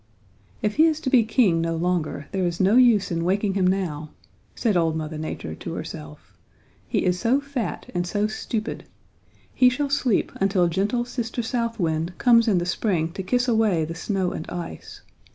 'If he is to be king no longer, there is no use in waking him now,' said old Mother Nature to herself, 'he is so fat and so stupid. He shall sleep until gentle Sister South Wind comes in the spring to kiss away the snow and ice.